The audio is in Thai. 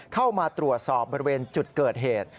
เข้ามาตรวจสอบบริเวณจุดเกิดเหตุ